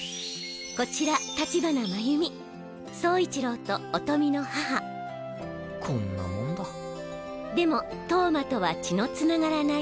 こちら立花真弓走一郎と音美の母こんなもんだでも投馬とは血のつながらない